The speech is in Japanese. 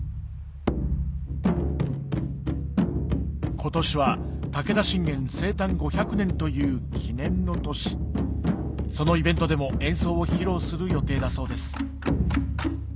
今年は武田信玄生誕５００年という記念の年そのイベントでも演奏を披露する予定だそうです